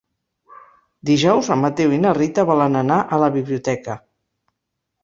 Dijous en Mateu i na Rita volen anar a la biblioteca.